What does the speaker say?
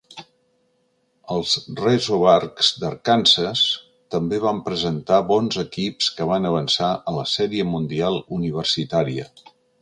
Els Razorbacks d'Arkansas també van presentar bons equips que van avançar a la Sèrie Mundial Universitària.